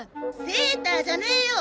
セーターじゃねえよ！